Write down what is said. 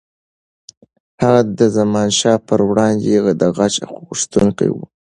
هغه د زمانشاه پر وړاندې د غچ غوښتونکی و.